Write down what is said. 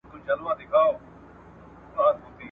يو خبره د افغانستان پر ضد را ونه وتله.